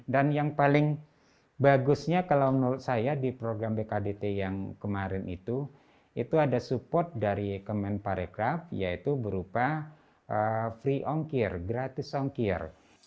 yang paling bagusnya kalau menurut saya di program bkdt yang kemarin itu itu ada support dari kemen parekraf yaitu berupa free ongkir gratis ongkir